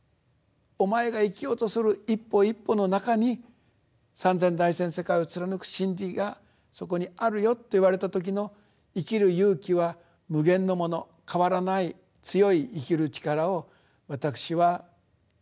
お前が生きようとする一歩一歩の中に「三千大千世界」を貫く真理がそこにあるよって言われた時の生きる勇気は無限のもの変わらない強い生きる力を私は頂ける。